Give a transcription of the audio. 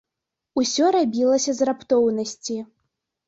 Усё рабілася з раптоўнасці.